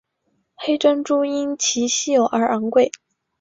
黑珍珠因其稀有而昂贵。